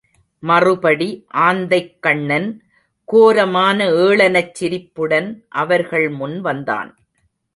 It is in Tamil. மறுபடி ஆந்தைக்கண்ணன் கோரமான ஏளனச்சிரிப்புடன் அவர்கள் முன் வந்தான்.